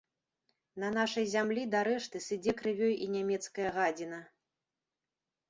На нашай зямлі да рэшты сыдзе крывёй і нямецкая гадзіна.